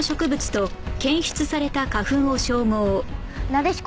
なでしこ。